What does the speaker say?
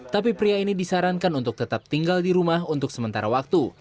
tapi pria ini disarankan untuk tetap tinggal di rumah untuk sementara waktu